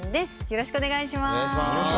よろしくお願いします。